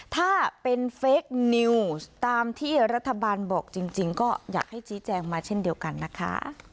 ถ้าเป็นเฟคนิวส์ตามที่รัฐบาลบอกจริงก็อยากให้ชี้แจงมาเช่นเดียวกันนะคะ